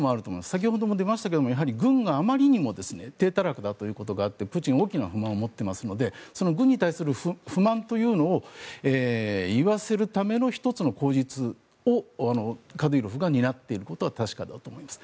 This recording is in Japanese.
先ほども出ましたが軍があまりにも体たらくだということがあってプーチンは大きな不満を持っていますのでその軍に対する不満というのを言わせるための１つの口実をカディロフが担っていることは確かだと思います。